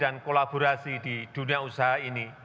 dan kolaborasi di dunia usaha ini